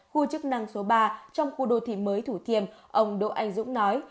khu chức năng số ba trong khu đô thị mới thủ thiêm ông đỗ anh dũng nói